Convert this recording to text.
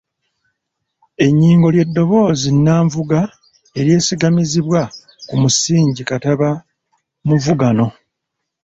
Ennyingo lye ddoboozi nnanvuga eryesigamizibbwa ku musingi katabamuvugano.